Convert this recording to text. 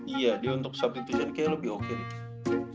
iya dia untuk swap itu jadi kayaknya lebih oke nih